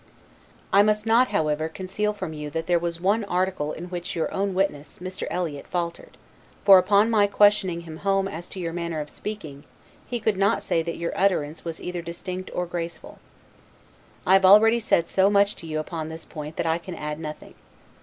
I must not, however, conceal from you that there was one article in which your own witness, Mr. Eliot, faltered; for, upon my questioning him home as to your manner of speaking, he could not say that your utterance was either distinct or graceful. I have already said so much to you upon this point that I can add nothing.